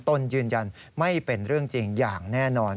ตนยืนยันไม่เป็นเรื่องจริงอย่างแน่นอน